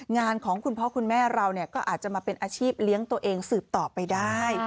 งานของคุณพ่อคุณแม่เราก็อาจจะมาเป็นอาชีพเลี้ยงตัวเองสืบต่อไปได้